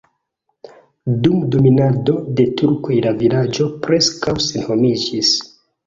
Dun dominado de turkoj la vilaĝo preskaŭ senhomiĝis.